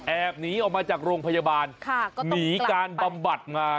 หนีออกมาจากโรงพยาบาลหนีการบำบัดมา